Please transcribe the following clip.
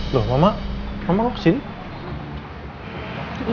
loh mama mama mau kesini